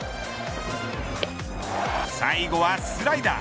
最後はスライダー。